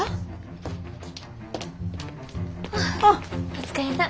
お疲れさん。